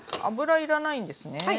油要らないんですね？